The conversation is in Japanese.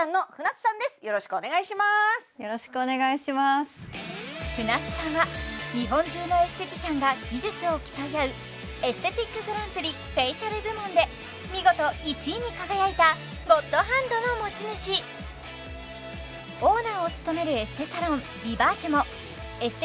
舟津さんは日本中のエステティシャンが技術を競い合うエステティックグランプリフェイシャル部門で見事１位に輝いたゴッドハンドの持ち主オーナーを務めるエステサロン